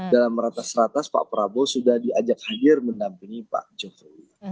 dalam ratas ratas pak prabowo sudah diajak hadir mendampingi pak jokowi